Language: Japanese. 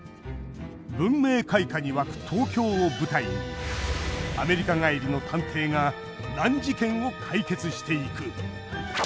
文明開化に沸く東京を舞台にアメリカ帰りの探偵が難事件を解決していく！